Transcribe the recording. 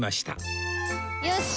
よし！